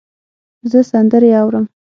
زه سندرې اورم